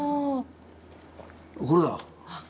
これだ。